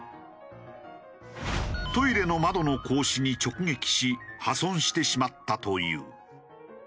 トイレの窓の格子に直撃し破損してしまったという。